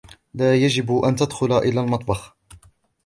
لا يجب أن تدخل إلى المطبخ.